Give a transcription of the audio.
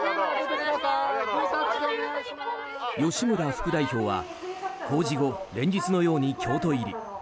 吉村副代表は公示後、連日のように京都入り。